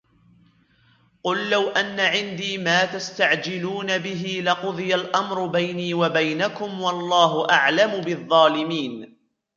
قل لو أن عندي ما تستعجلون به لقضي الأمر بيني وبينكم والله أعلم بالظالمين